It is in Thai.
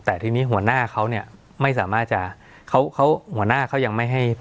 แต่ทีนี้หัวหน้าเขาเนี่ยไม่สามารถจะเขาหัวหน้าเขายังไม่ให้